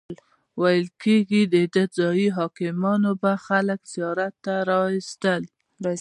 ویل کیږي دده ځایي حاکمانو به خلک زیارت ته راوستل.